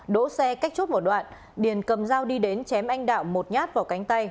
đổ xe cách chốt một đoạn điền cầm dao đi đến chém anh đạo một nhát vào cánh tay